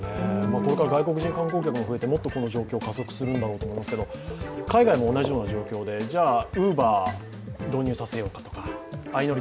これから外国人観光客も増えてもっとこの状況加速するんだろうと思いますけれども海外も同じような状況でじゃあＵｂｅｒ導入させようかとか相乗り